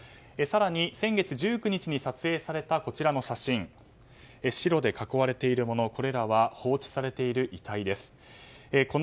更に先月１９日に撮影されたこちらの写真白で囲われているもの